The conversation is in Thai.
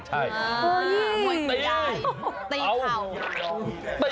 ตีเข่า